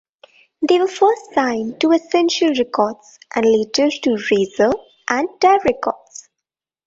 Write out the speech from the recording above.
They were first signed to Essential Records, and later to Razor and Tie Records.